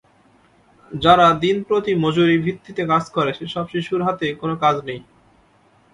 যারা দিনপ্রতি মজুরি ভিত্তিতে কাজ করে, সেসব শিশুর হাতে কোনো কাজ নেই।